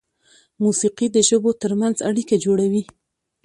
موسیقي د ژبو تر منځ اړیکه جوړوي.